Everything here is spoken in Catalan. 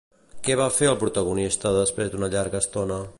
Què va fer el protagonista després d'una llarga estona?